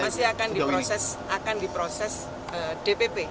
masih akan diproses akan diproses dpp